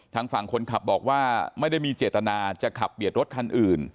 ทางฝั่งคนขับบอกว่าไม่ได้มีเจตนาจะขับเบียดรถคันอื่น